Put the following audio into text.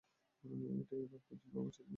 এটাই রাত পর্যন্ত তাদের জন্য যথেষ্ট হত।